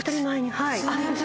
はい。